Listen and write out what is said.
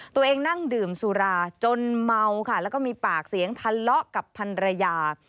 ตัวเองนั่งดื่มสุราจนเมาค่ะแล้วก็มีปากเสียงทะเลาะกับพันรยา